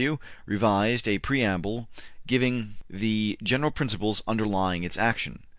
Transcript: W. revised a preamble giving the general principles underlying its action.